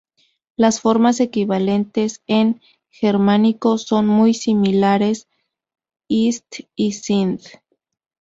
Las formas equivalentes en germánico son muy similares: "ist" y "sind".